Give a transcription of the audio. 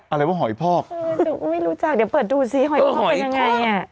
อะไรว่าหอยพอกเออหนูก็ไม่รู้จักเดี๋ยวเปิดดูสิหอยพอกเป็นยังไงอ่ะ